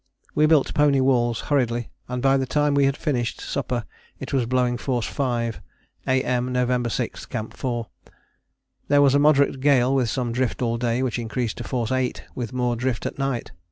We built pony walls hurriedly and by the time we had finished supper it was blowing force 5 (A.M. November 6, Camp 4). There was a moderate gale with some drift all day which increased to force 8 with more drift at night.